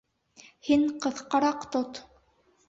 Һин ҡыҫҡараҡ тот.